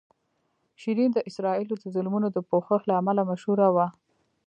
شیرین د اسرائیلو د ظلمونو د پوښښ له امله مشهوره وه.